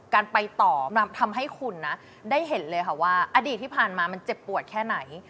การไปต่อมันทำให้คุณนะได้เห็นเลยค่ะว่าอดีตที่ผ่านมามันเจ็บปวดแค่ไหน